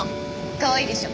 かわいいでしょ。